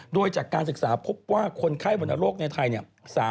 โดยจากการศึกษาพบว่าคนไข้วรรณโรคในไทย